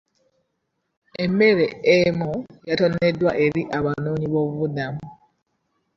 Emmere emu yatoneddwa eri abanoonyi b'obubuddamu.